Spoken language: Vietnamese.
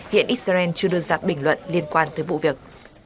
hiện israel chưa đưa ra bình luận liên quan tới vụ việc